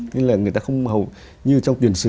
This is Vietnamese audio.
nghĩa là người ta không hầu như trong tiền sử